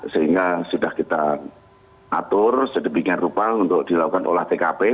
sehingga sudah kita atur sedemikian rupa untuk dilakukan olah tkp